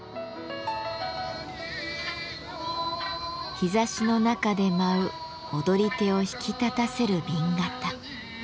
日ざしの中で舞う踊り手を引き立たせる紅型。